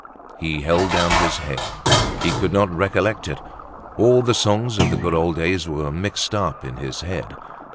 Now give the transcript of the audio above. He held down his head; he could not recollect it; all the songs of the good old days were mixed up in his head.